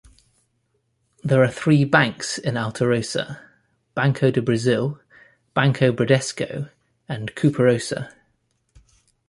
There are three banks in Alterosa: Banco do Brazil, Banco Bradesco and Cooperosa.